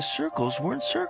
すごい。